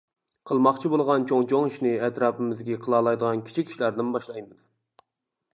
قىلماقچى بولغان چوڭ-چوڭ ئىشنى ئەتراپىمىزدىكى قىلالايدىغان كىچىك ئىشلاردىن باشلايمىز.